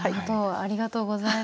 ありがとうございます。